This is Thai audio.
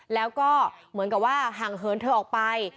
แล้วก็เหมือนกับว่าห่างเหินเธอออกไป